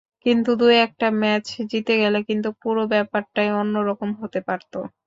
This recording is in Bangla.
কিন্তু দু-একটা ম্যাচ জিতে গেলে কিন্তু পুরো ব্যাপারটাই অন্য রকম হতে পারত।